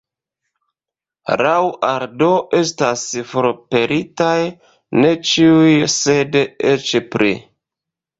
Laŭ Aldo estas forpelitaj ne ĉiuj sed eĉ pli.